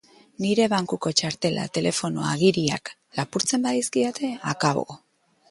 Nire bankuko txartela, telefonoa, agiriak... lapurtzen badizkidate, akabo!